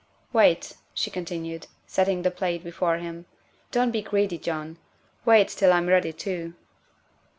" Wait," she continued, setting the plate before him, '' don 't be greedy, John wait till I 'm ready too.